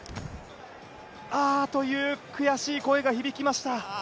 ああという悔しい声が響きました。